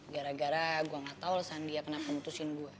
gara gara gua ga tau alasan dia kenapa mutusin gua